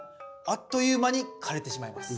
あっという間に枯れてしまいます」。